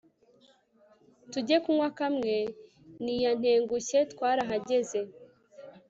tujye kunywa kamwe ntiya ntengushye twarahageze